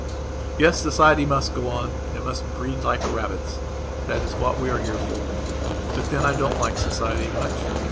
.. Yes, society must go on; it must breed, like rabbits. That is what we are here for. But then, I don't like societymuch.